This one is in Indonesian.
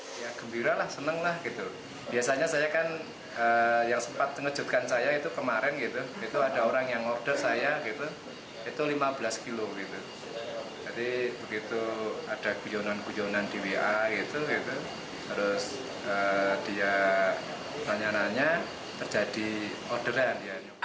pertanyaannya terjadi orderan